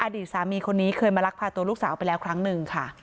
อดีตสามีคนนี้เคยมาลักพาตัวลูกสาวไปแล้วครั้งหนึ่งค่ะ